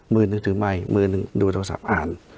มือหนึ่งถือไมค์มือหนึ่งดูโทรศัพท์อ่าน